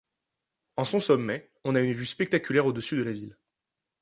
En son sommet, on a une vue spectaculaire au-dessus de la ville.